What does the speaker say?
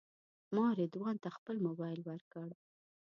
ما رضوان ته خپل موبایل ورکړ.